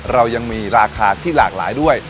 เรายังมีราคาที่หลากหลายด้วย